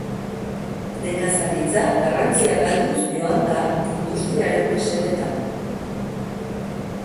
Nekazaritza garrantzia galduz joan da industriaren mesedetan.